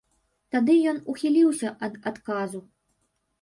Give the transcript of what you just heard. Тады ён ухіліўся ад адказу.